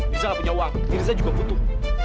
mirza gak punya uang mirza juga butuh